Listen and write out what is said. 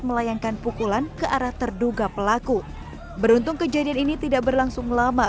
melayangkan pukulan ke arah terduga pelaku beruntung kejadian ini tidak berlangsung lama